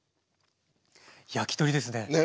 焼き鳥ですね！ね？